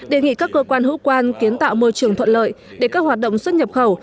đề nghị các cơ quan hữu quan kiến tạo môi trường thuận lợi để các hoạt động xuất nhập khẩu